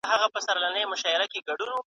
¬ ډوډۍ که د بل ده نس خو دي خپل دئ.